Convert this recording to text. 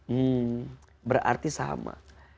hmm berarti sama